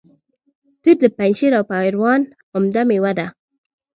توت د پنجشیر او پروان عمده میوه ده